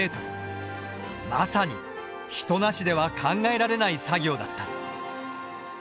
まさに人無しでは考えられない作業だった。